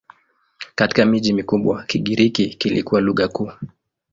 Katika miji mikubwa Kigiriki kilikuwa lugha kuu.